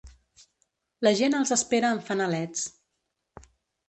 La gent els espera amb fanalets.